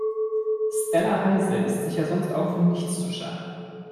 Stella Heise ist sich ja sonst auch für nichts zu schade.